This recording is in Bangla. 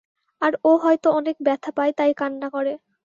আর ও হয়ত অনেক ব্যথা পায় তাই কান্না করে।